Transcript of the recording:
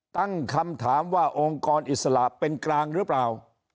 ตั้งคำถามว่าองค์กรอิสระเป็นกลางหรือเปล่า